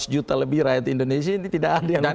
lima ratus juta lebih rakyat indonesia ini tidak ada yang